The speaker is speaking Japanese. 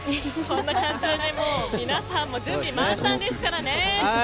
こんな感じで皆さんも準備万端ですからね。